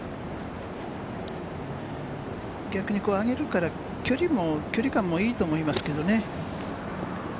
逆にあげるから距離感もいいと思いますけれどもね。